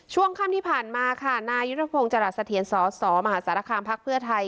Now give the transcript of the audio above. ช่วงค่ำที่ผ่านมาค่ะนายุทธพงศ์จรัสเทียนสสมหาสารคามพักเพื่อไทย